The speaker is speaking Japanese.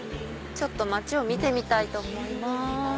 ちょっと街を見てみたいと思います。